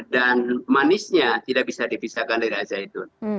dan manisnya tidak bisa dipisahkan dari al zaitun